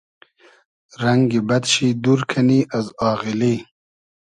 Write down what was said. رئنگی بئد شی دور کئنی از آغیلی